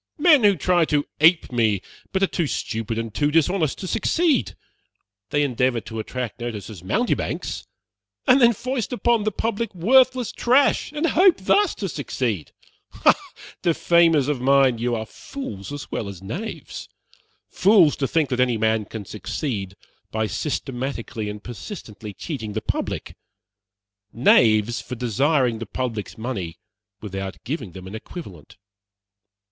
Men who try to ape me, but are too stupid and too dishonest to succeed. They endeavor to attract notice as mountebanks, and then foist upon the public worthless trash, and hope thus to succeed. Ah! defamers of mine, you are fools as well as knaves. Fools, to think that any man can succeed by systematically and persistently cheating the public. Knaves, for desiring the public's money without giving them an equivalent.